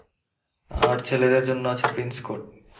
আর ছেলেদের জন্য আছে প্রিন্স কোট।